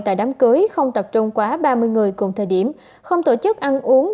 tại đám cưới không tập trung quá ba mươi người cùng thời điểm không tổ chức ăn uống